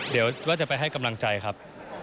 เดี๋ยวว่าจะไปให้กำลังใจครับ